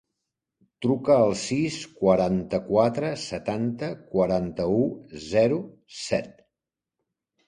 Truca al sis, quaranta-quatre, setanta, quaranta-u, zero, set.